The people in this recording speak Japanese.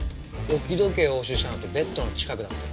置き時計を押収したのってベッドの近くだったよね。